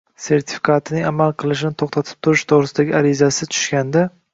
sertifikatining amal qilishini to‘xtatib turish to‘g‘risidagi arizasi tushganda